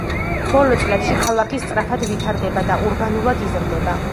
ბოლო წლებში, ქალაქი სწრაფად ვითარდება და ურბანულად იზრდება.